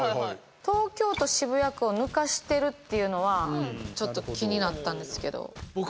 「東京都渋谷区」を抜かしてるっていうのはちょっと気になったんですけど。